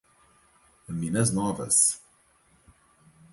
Minas Novas